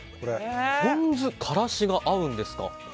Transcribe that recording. ポン酢とカラシが合うんですか。